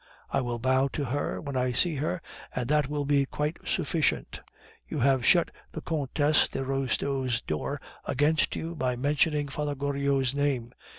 I will bow to her when I see her, and that will be quite sufficient. You have shut the Comtesse de Restaud's door against you by mentioning Father Goriot's name.